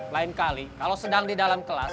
lain kali kalau sedang di dalam kelas